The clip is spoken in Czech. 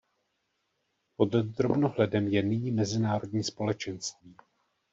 Pod drobnohledem je nyní mezinárodní společenství.